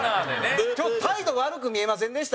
態度悪く見えませんでした？